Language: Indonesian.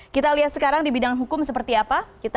kita lihat sekarang di bidang hukum seperti apa